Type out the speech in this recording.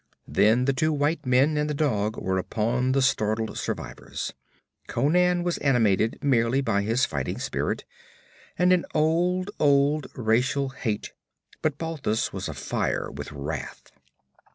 Then the two white men and the dog were upon the startled survivors. Conan was animated merely by his fighting spirit and an old, old racial hate, but Balthus was afire with wrath.